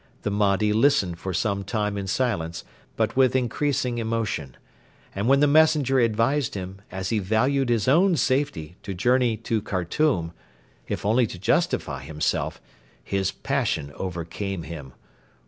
The Mahdi listened for some time in silence, but with increasing emotion; and when the messenger advised him, as he valued his own safety, to journey to Khartoum, if only to justify himself, his passion overcame him.